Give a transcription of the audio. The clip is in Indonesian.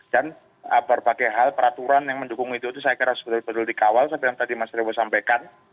berbagai hal peraturan yang mendukung itu saya kira betul betul dikawal seperti yang tadi mas revo sampaikan